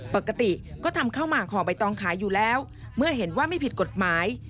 ปกติก็ทำข้าวหมากห่อใบตองขายอยู่แล้วเมื่อเห็นว่าไม่ผิดกฎหมาย